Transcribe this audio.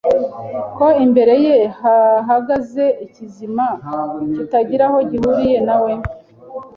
ko imbere ye hahagaze ikizima kitagira aho gihuriye na we.